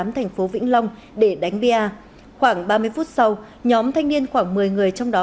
thành phố vĩnh long để đánh bia khoảng ba mươi phút sau nhóm thanh niên khoảng một mươi người trong đó